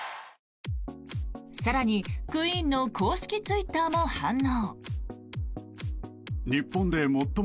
更に、クイーンの公式ツイッターも反応。